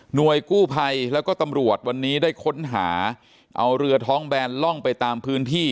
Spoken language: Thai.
โดยกู้ภัยแล้วก็ตำรวจวันนี้ได้ค้นหาเอาเรือท้องแบนล่องไปตามพื้นที่